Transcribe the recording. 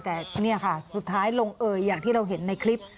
แต่นี่ค่ะสุดท้ายลงเอยอย่างที่เราเห็นในคลิป